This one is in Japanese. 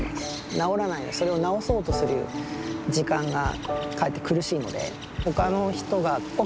治らないのにそれを治そうとする時間がかえって苦しいので。